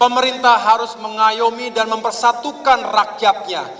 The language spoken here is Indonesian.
pemerintah harus mengayomi dan mempersatukan rakyatnya